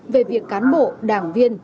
về việc cán bộ đảng viên